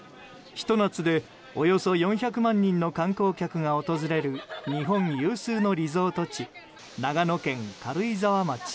ひと夏で、およそ４００万人の観光客が訪れる日本有数のリゾート地長野県軽井沢町。